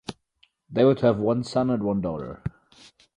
They were to have one son and one daughter.